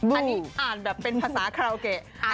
อันนี้อ่านแบบเป็นภาษาคาราโอเกะ